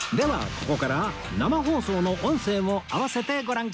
ここから生放送の音声も合わせてご覧ください